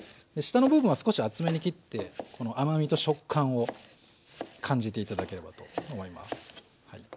下の部分は少し厚めに切ってこの甘みと食感を感じて頂ければと思います。